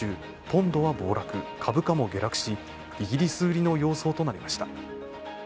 ポンドは暴落、株価も下落しイギリス売りの様相となりました。